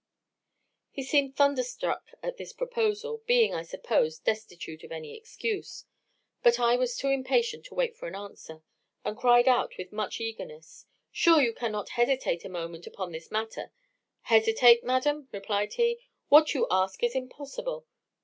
"He seemed thunderstruck at this proposal, being, I suppose, destitute of any excuse: but I was too impatient to wait for an answer, and cried out with much eagerness, Sure you cannot hesitate a moment upon this matter 'Hesitate! madam!' replied he 'what you ask is impossible.